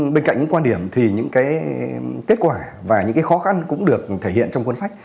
bên cạnh những quan điểm thì những kết quả và những khó khăn cũng được thể hiện trong cuốn sách